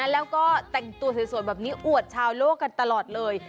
แล้วก็แต่งตัวสวยแบบนี้อวดชาวโลกกันตลอดเลย